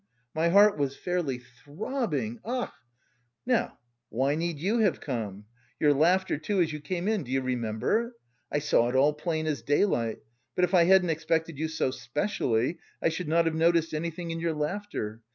My heart was fairly throbbing. Ach! "Now, why need you have come? Your laughter, too, as you came in, do you remember? I saw it all plain as daylight, but if I hadn't expected you so specially, I should not have noticed anything in your laughter.